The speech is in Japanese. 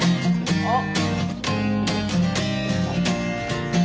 あっ。